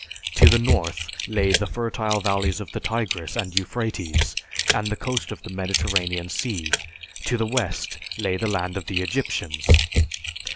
To the north lay the fertile valleys of the Tigris and Euphrates and the coast of the Mediterranean Sea; to the west lay the land of the Egyptians.